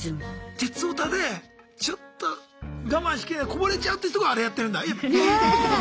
鉄オタでちょっと我慢しきれないこぼれちゃうって人があれやってるんだ。